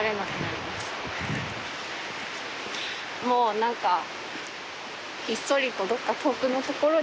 もう何か。